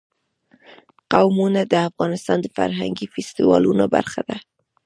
قومونه د افغانستان د فرهنګي فستیوالونو برخه ده.